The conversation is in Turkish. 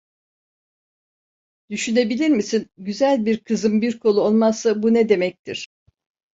Düşünebilir misin, güzel bir kızın bir kolu olmazsa bu ne demektir?